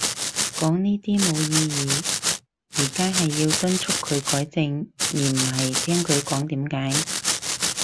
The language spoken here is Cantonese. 講呢啲冇意義。而家係要敦促佢改正，而唔係聽佢講點解